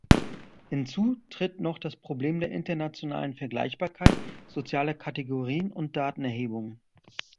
Hinzu tritt noch das Problem der internationalen Vergleichbarkeit sozialer Kategorien und Datenerhebungen.